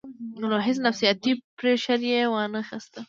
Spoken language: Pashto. نو هېڅ نفسياتي پرېشر ئې وانۀ خستۀ -